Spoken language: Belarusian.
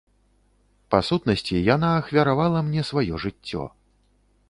Па сутнасці яна ахвяравала мне сваё жыццё.